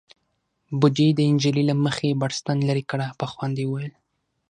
بوډۍ د نجلۍ له مخې بړستن ليرې کړه، په خوند يې وويل: